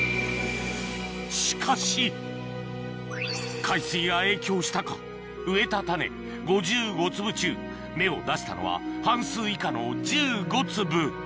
しかし海水が影響したか植えた種５５粒中芽を出したのは半数以下の１５粒